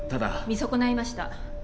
見損ないました。